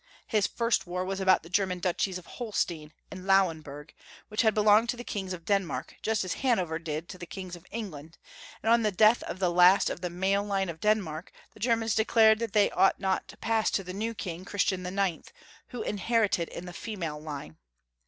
His first war was about the German duchies of Holstein and Lauenburg, wliich had belonged to the Kings of Denmark just as Hanover did to the Kings of Eng land, and on the death of the last of the male line of Denmark, the Germans declared that they ought not to pass to the new King Christian IX., who inherited in the female line.